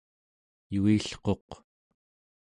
yuilquq